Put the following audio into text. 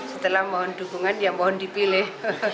setelah mohon dukungan ya mohon dipilih